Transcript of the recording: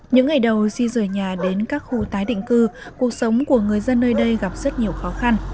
những ngày đầu di rời nhà đến các khu tái định cư cuộc sống của người dân nơi đây gặp rất nhiều khó khăn